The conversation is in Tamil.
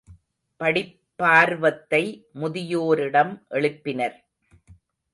படிப்பார்வத்தை முதியோரிடம் எழுப்பினர்.